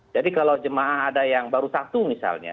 jadi kalau jemaah ada yang baru satu misalnya